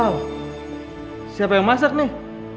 wow siapa yang masak nih